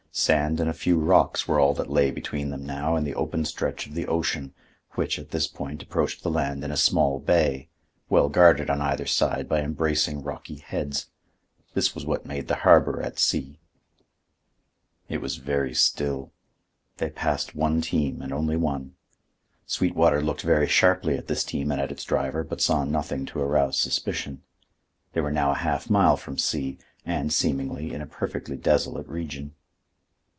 Sand and a few rocks were all that lay between them now and the open stretch of the ocean, which, at this point, approached the land in a small bay, well guarded on either side by embracing rocky heads. This was what made the harbor at C—. It was very still. They passed one team and only one. Sweetwater looked very sharply at this team and at its driver, but saw nothing to arouse suspicion. They were now a half mile from C—, and, seemingly, in a perfectly desolate region.